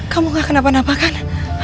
kamu gak kenapa napa kan